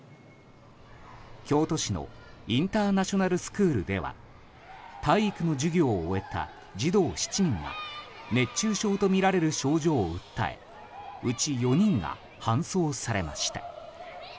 京都市のインターナショナルスクールでは体育の授業を終えた児童７人が熱中症とみられる症状を訴えうち４人が搬送されました。